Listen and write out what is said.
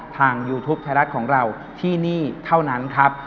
ยูทูปไทยรัฐของเราที่นี่เท่านั้นครับ